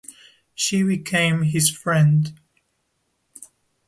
She became his friend.